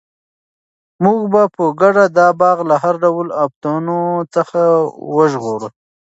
موږ به په ګډه دا باغ له هر ډول آفتونو څخه وژغورو.